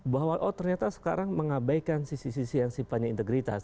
bahwa oh ternyata sekarang mengabaikan sisi sisi yang sifatnya integritas